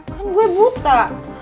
kan gue buta